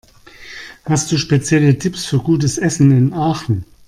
Hast du spezielle Tipps für gutes Essen in Aachen?